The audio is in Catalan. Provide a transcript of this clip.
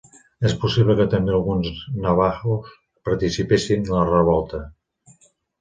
És possible que també alguns navahos participessin en la Revolta.